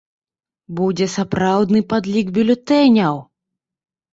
Будзе сапраўдны падлік бюлетэняў.